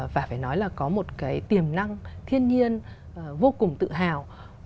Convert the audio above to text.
và phải nói là có một cái tiềm năng thiên nhiên vô cùng tự hào